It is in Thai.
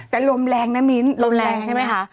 แต่ลมแรงนะมิ้นลมแรงใช่ไหมคะ